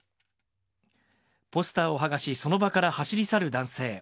ポスターを剥がし、その場から走り去る男性。